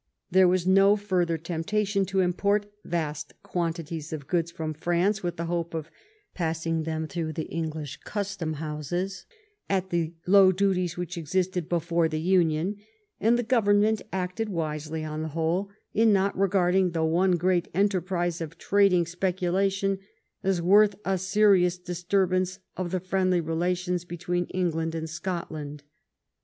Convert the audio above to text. There was no further temptation to import vast quantities of goods from France with the hope of passing them through English custom houses at the low duties which existed before the union, and the government acted wisely, on the whole, in not regarding the one great enterprise of trading speculation as worth a serious disturbance of the friendly relations between England and Scot land.